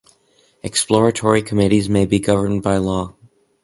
Exploratory committees may be governed by law.